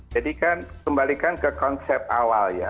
jadi kan kembalikan ke konsep awal ya